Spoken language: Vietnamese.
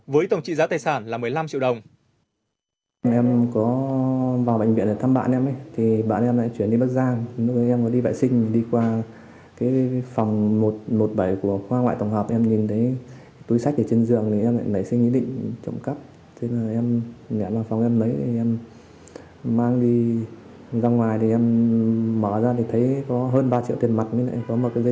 với tổng trị giá tài sản là một mươi năm triệu đồng